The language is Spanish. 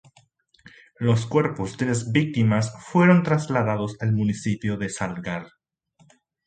Los cuerpos de las víctimas fueron trasladados al municipio de Salgar.